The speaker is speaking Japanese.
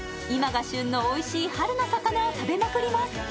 今が旬のおいしい春の魚を食べまくります。